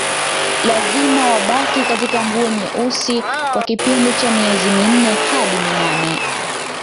Lazima wabaki katika nguo nyeusi kwa kipindi cha miezi minne hadi nane